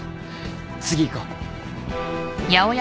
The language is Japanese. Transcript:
次行こう。